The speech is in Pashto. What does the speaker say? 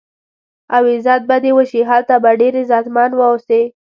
او عزت به دې وشي، هلته به ډېر عزتمن و اوسې.